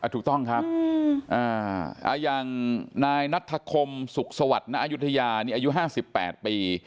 ถูกต้องครับอย่างนายนัทธคมสุขสวัสดิ์ณอายุทยานี่อายุ๕๘ปี